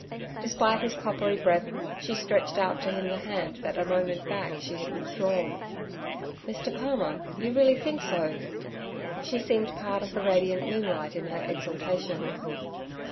Despite his coppery breath, she stretched out to him the hand that a moment back she had withdrawn. 'Mr. Palmer, you really think so?' She seemed part of the radiant moonlight in her exultation.